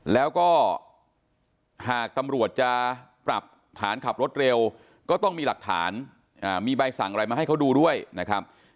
แล้วก็หากตำรวจจะปรับฐานขับรถเร็วก็ต้องมีหลักฐานมีใบสั่งอะไรมาให้เขาดูด้วยนะครับ